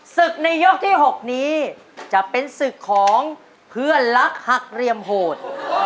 ในยกที่๖นี้จะเป็นศึกของเพื่อนรักหักเหลี่ยมโหด